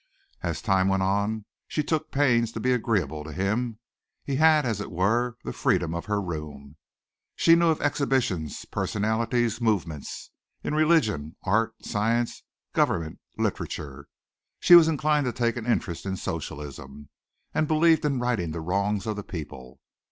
As time went on she took pains to be agreeable to him. He had, as it were, the freedom of her room. She knew of exhibitions, personalities, movements in religion, art, science, government, literature. She was inclined to take an interest in socialism, and believed in righting the wrongs of the people.